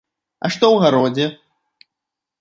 А што ў гародзе?